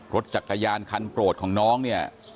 รถจักรยานคันโปรดของน้องเนี่ย